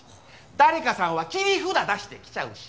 誰かさんは切り札出してきちゃうし。